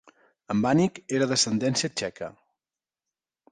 En Vanik era d'ascendència txeca.